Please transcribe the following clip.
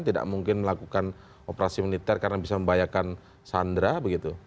tidak mungkin melakukan operasi militer karena bisa membahayakan sandra begitu